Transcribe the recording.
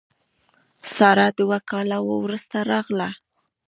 ساره دوه کاله وروسته راغله.